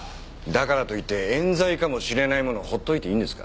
だからといって冤罪かもしれないものを放っておいていいんですか？